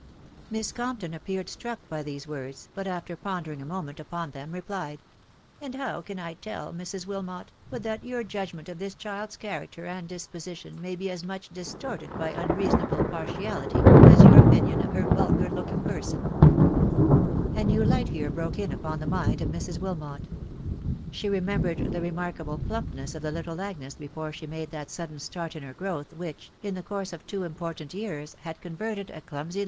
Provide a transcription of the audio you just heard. Miss Compton appeared struck by these words, but after pon dering a moment upon them replied, — "And how can I tell, Mrs. Wilmot, but that your judgment of this child's character snd disposition may be as much distorted by unreasonable par tiatity_, as your opinion of her vulgar looking person V THE WIDOW BARNABY. 75 A new light here broke in upon the mind of Mrs. Wilmot ; Ae remembered the remarkable plumpness of the little Agnes 9efore she made that sudden start in her growth which, in the course of two important years, had converted a clumsy